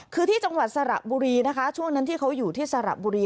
คือที่จังหวัดสระบุรีนะคะช่วงนั้นที่เขาอยู่ที่สระบุรี